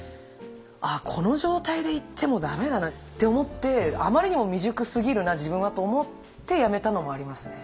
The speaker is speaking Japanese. あこの状態で行っても駄目だなって思って「あまりにも未熟すぎるな自分は」と思ってやめたのもありますね。